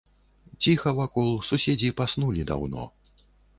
Ціха вакол, суседзі паснулі даўно.